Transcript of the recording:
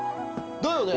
だよね？